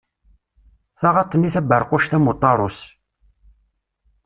Taɣaṭ-nni taberquct am uṭarus.